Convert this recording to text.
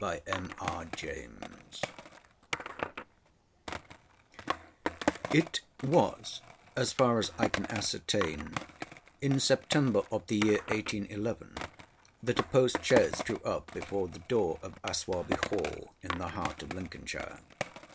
LOST HEARTS It was, as far as I can ascertain, in September of the year 1811 that a post chaise drew up before the door of Aswarby Hall, in the heart of Lincolnshire.